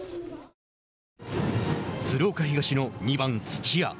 鶴岡東の２番土屋。